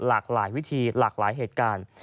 หลากหลายวิธีหลากหลายเหตุการณ์